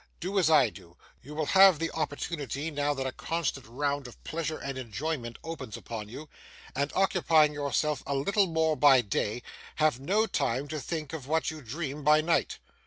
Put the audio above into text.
Do as I do (you will have the opportunity, now that a constant round of pleasure and enjoyment opens upon you), and, occupying yourself a little more by day, have no time to think of what you dream by night.